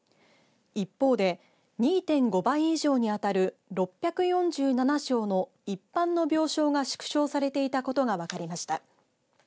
一方で２．５倍以上にあたる６４７床の一般の病床が縮小されていたことが分かりました。